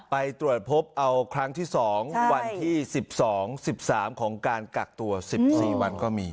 ไปตรวจพบเอาครั้งที่๒วันที่๑๒๑๓ของการกักตัว๑๔วันก็มี